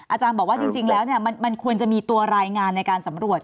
อาจารย์บอกว่าจริงแล้วมันควรจะมีตัวรายงานในการสำรวจ